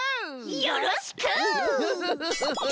よろしく！